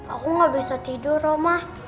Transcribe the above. aku gak bisa tidur romah